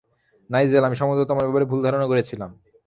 Nigel, আমি সম্ভবত তোমার ব্যাপারে ভুল ধারণা করেছিলাম।